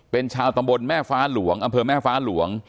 เป็นชาวตำบลแม่ฟ้าหลวงอำเภอแม่ฟ้าหลวง